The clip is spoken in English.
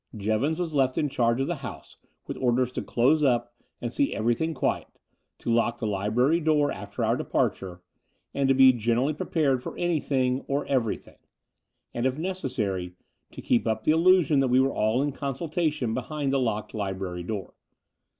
Jevons was left in charge of the house with orders to close up and see everything quiet, to lock the library door after our departure, and to be gen erally prepared for anything or everything — ^and, if necessary, to keep up the illusion that we were all in consultation behind the locked library door.